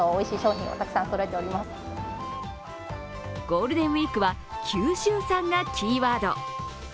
ゴールデンウイークは九州産がキーワード。